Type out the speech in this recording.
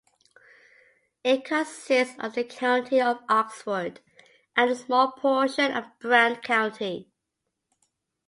It consists of the county of Oxford and a small portion of Brant County.